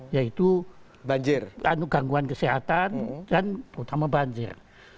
yaitu gangguan kesehatan dan terutama banjir